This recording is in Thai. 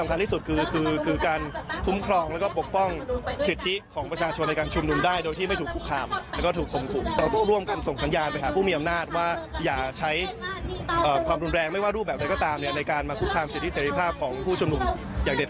ยศรีภาพของผู้ชมหลวงอย่างเด็ดขาด